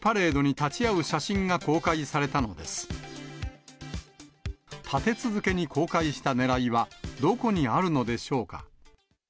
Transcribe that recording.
立て続けに公開したねらいはどこにあるのでしょうか。